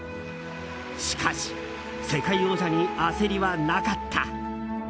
しかし世界王者に焦りはなかった。